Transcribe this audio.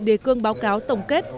đề cương báo cáo tổng kết